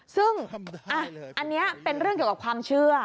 ซึ่งอันนี้เป็นเรื่องเกี่ยวกับความเชื่อ